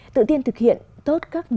tự tiên thực hiện tốt các nội dung